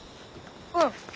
うん。